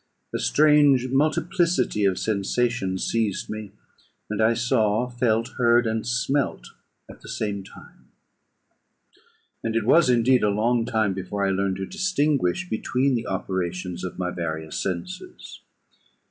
A strange multiplicity of sensations seized me, and I saw, felt, heard, and smelt, at the same time; and it was, indeed, a long time before I learned to distinguish between the operations of my various senses.